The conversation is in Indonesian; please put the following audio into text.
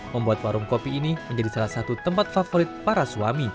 membuat warung kopi ini menjadi salah satu tempat favorit para suami